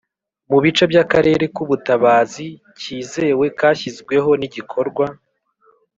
Mu bice by akarere k ubutabazi kizewe kashyizweho n igikorwa